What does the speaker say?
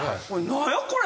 何やこれ？